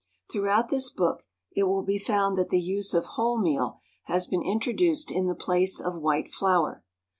Throughout this book it will be found that the use of wholemeal has been introduced in the place of white flour.